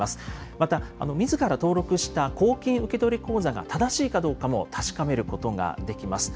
またみずから登録した公金受取口座が正しいかどうかも確かめることができます。